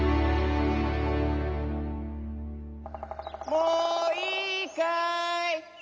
もういいかい？